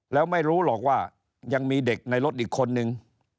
แล้วไม่รู้หรอกว่ายังมีเด็กในรถอีกคนนึง